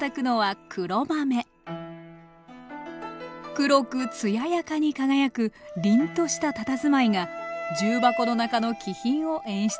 黒くつややかに輝く凜としたたたずまいが重箱の中の気品を演出してくれます